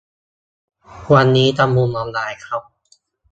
วันนี้ทำบุญออนไลน์ครับ